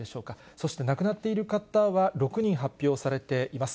そして亡くなっている方は６人発表されています。